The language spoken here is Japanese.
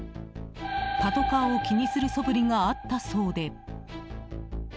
パトカーを気にする素振りがあったそうで。